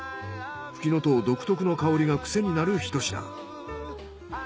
フキノトウ独特の香りがクセになるひと品。